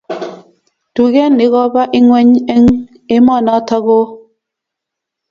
Duket ni koba ingweny eng emonotok oo